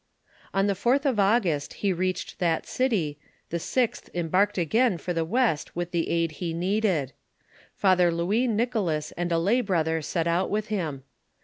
On the 4th of August he reached that city, the 6th embarked again for the west with the aid he needed. Father Louis Nicholas, and a lay brother set out with him.